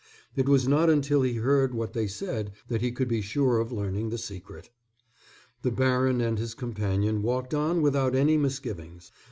It was not until he heard what they said that he could be sure of learning the secret. The baron and his companion walked on without any misgivings.